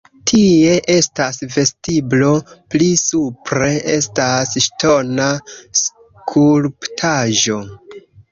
Tie estas vestiblo, pli supre estas ŝtona skulptaĵo.